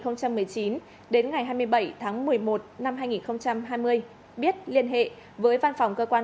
năm hai nghìn một mươi chín đến ngày hai mươi bảy tháng một mươi một năm hai nghìn hai mươi biết liên hệ với văn phòng cơ quan